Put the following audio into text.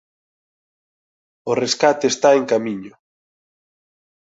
O rescate está en camiño.